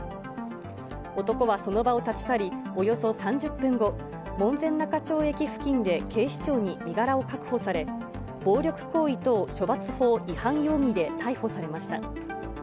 男はその場を立ち去り、およそ３０分後、門前仲町駅付近で警視庁に身柄を確保され、暴力行為等処罰法違反容疑で逮捕されました。